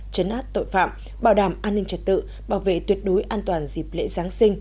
chấn áp tội phạm bảo đảm an ninh trật tự bảo vệ tuyệt đối an toàn dịp lễ giáng sinh